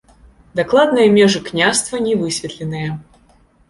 Дакладныя межы княства не высветленыя.